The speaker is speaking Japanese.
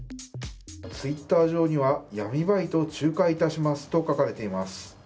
Ｔｗｉｔｔｅｒ上には闇バイト仲介いたしますと書かれています。